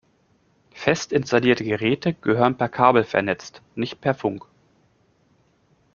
Fest installierte Geräte gehören per Kabel vernetzt, nicht per Funk.